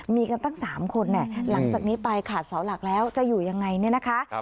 มีกันตั้ง๓คนหลังจากนี้ไปขาดเสาหลักแล้วจะอยู่ยังไงเนี่ยนะคะ